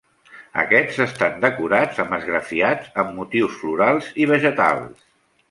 Aquests estan decorats amb esgrafiats amb motius florals i vegetals.